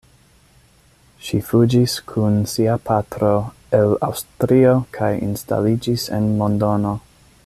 Ŝi fuĝis kun sia patro el Aŭstrio kaj instaliĝis en Londono.